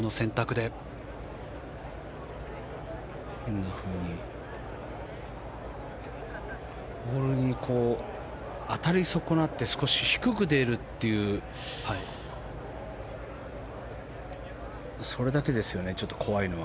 変なふうにボールに当たり損なって少し低く出るというそれだけですよね怖いのは。